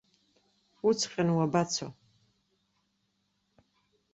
Уҵҟьан уабацо.